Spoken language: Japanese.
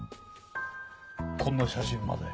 こんな写真まで。